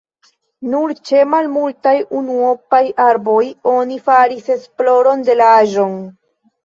Nur ĉe malmultaj unuopaj arboj oni faris esploron de la aĝon.